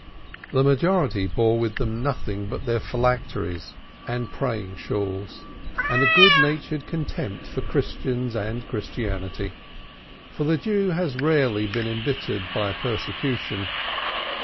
The majority bore with them nothing but their phylacteries and praying shawls, and a good natured contempt for Christians and Christianity. For the Jew has rarely been embittered by persecution.